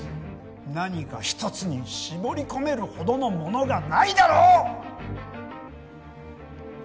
何か一つに絞り込めるほどのものがないだろう！？